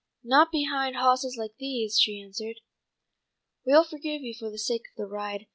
"Not behind hawses like these," she answered. "We'll forgive you for the sake of the ride.